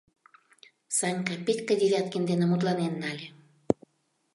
Санька Петька Девяткин дене мутланен нале.